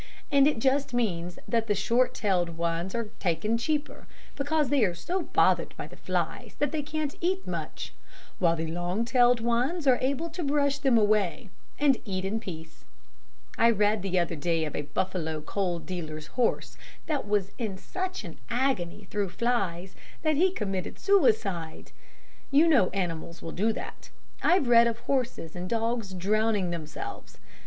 And it just means that the short tailed ones are taken cheaper, because they are so bothered by the flies that they can't eat much, while the long tailed ones are able to brush them away, and eat in peace. I read the other day of a Buffalo coal dealer's horse that was in such an agony through flies, that he committed suicide. You know animals will do that. I've read of horses and dogs drowning themselves.